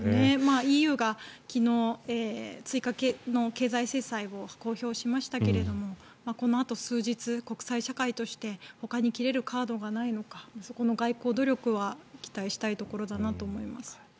ＥＵが昨日、追加の経済制裁を公表しましたけどこのあと数日、国際社会としてほかに切れるカードがないのかそこの外交努力は期待したいところだなと思います。